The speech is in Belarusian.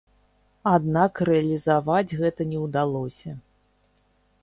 Аднак рэалізаваць гэта не ўдалося.